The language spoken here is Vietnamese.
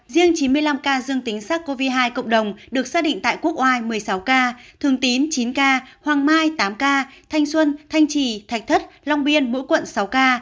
riêng chín mươi năm ca dương tính sars cov hai cộng đồng được xác định tại quốc oai một mươi sáu ca thường tín chín ca hoàng mai tám ca thanh xuân thanh trì thạch thất long biên mỗi quận sáu ca